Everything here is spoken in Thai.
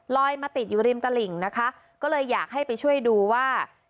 มาติดอยู่ริมตลิ่งนะคะก็เลยอยากให้ไปช่วยดูว่า